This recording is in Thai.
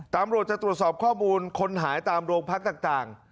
ตำรวจจะตรวจสอบข้อมูลคนหายตามโรงพักต่าง